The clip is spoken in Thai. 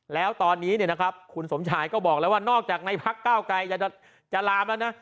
แล้วตอนนี้เนี่ยนะครับคุณสมชายก็บอกแล้วว่านอกจากในพักเก้าไกรจะลามแล้วนะ